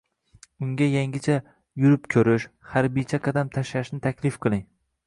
unga yangicha yurib ko‘rish, harbiycha qadam tashlashni taklif qiling.